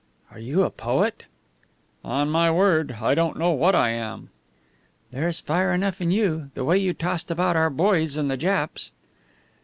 "Are you a poet?" "On my word, I don't know what I am." "There is fire enough in you. The way you tossed about our boys and the Japs!"